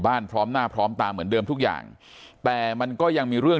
พร้อมหน้าพร้อมตาเหมือนเดิมทุกอย่างแต่มันก็ยังมีเรื่อง